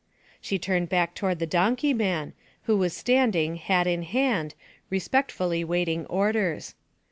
She turned back toward the donkey man, who was standing, hat in hand, respectfully waiting orders.